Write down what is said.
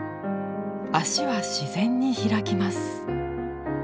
脚は自然に開きます。